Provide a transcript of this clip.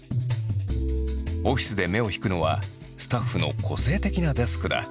オフィスで目を引くのはスタッフの個性的なデスクだ。